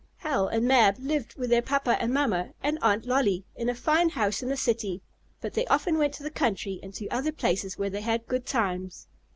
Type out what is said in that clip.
Hal and Mab lived with their papa and mamma, and Aunt Lolly, in a fine house in the city. But they often went to the country and to other places where they had good times.